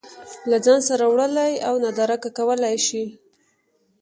له ځان سره وړلی او نادرکه کولی شي